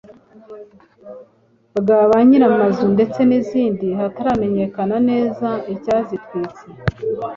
bwa ba nyir’amazu ndetse n’izindi hataramenyekana neza icyazitwitse.